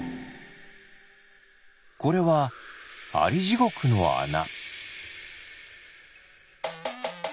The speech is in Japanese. これはアリジゴクのあな。